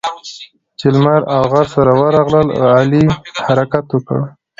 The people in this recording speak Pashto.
چې لمر او غر سره ورغلل؛ علي حرکت وکړ.